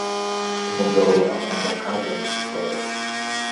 Umugabo akunda akaga na siporo.